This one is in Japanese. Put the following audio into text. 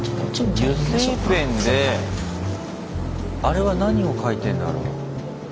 油性ペンであれは何を書いてんだろう？